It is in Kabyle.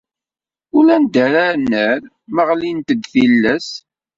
Ulanda ara nerr, ma ɣlint-d tillas.